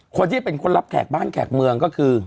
คนที่เป็นคนรับแขกบ้านแขกเมืองก็คือ